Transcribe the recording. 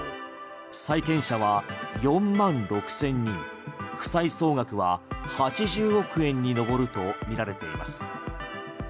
債権者は４万６０００人負債総額は８０億円に上るとみられています。